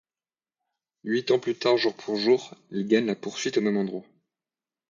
Huit ans plus tard jour pour jour, il gagne la poursuite au même endroit.